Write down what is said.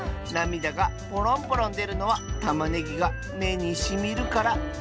なみだがポロンポロンでるのはタマネギがめにしみるから。